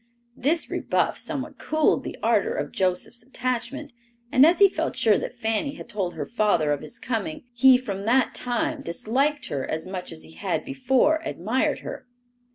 This rebuff somewhat cooled the ardor of Joseph's attachment, and as he felt sure that Fanny had told her father of his coming, he from that time disliked her as much as he had before admired her.